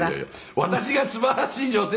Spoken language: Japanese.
「私がすばらしい女性と」